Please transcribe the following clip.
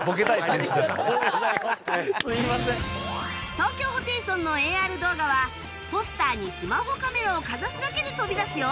東京ホテイソンの ＡＲ 動画はポスターにスマホカメラをかざすだけで飛び出すよ